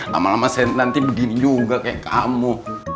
lama lama saya nanti begini juga kayak kamu